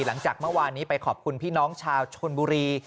หลังจากเมื่อวานนี้ไปขอบคุณพี่น้องชาวชนบุรี